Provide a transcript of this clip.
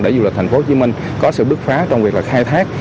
để du lịch thành phố hồ chí minh có sự bước phá trong việc khai thác